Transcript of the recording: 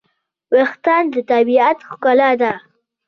وېښتيان د طبیعت ښکلا ده.